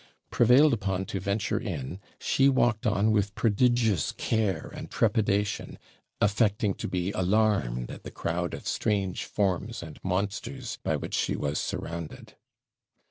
Prevailed upon to venture in, she walked on with prodigious care and trepidation, affecting to be alarmed at the crowd of strange forms and monsters by which she was surrounded.